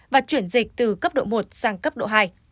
và chuyển dịch từ cấp độ một sang cấp độ hai